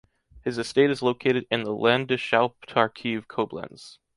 His estate is located in the Landeshauptarchiv Koblenz.